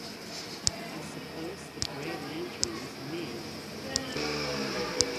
I suppose the Grey Lantern's me.